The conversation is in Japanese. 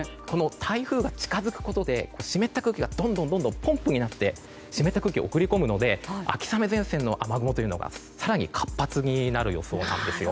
台風が近づくことで湿った空気がどんどんポンプになって湿った空気を送り込むので秋雨前線の雨雲が更に活発になる予想なんですよ。